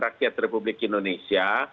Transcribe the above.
rakyat republik indonesia